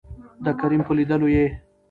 دکريم په لېدولو يې